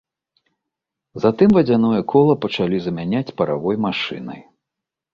Затым вадзяное кола пачалі замяняць паравой машынай.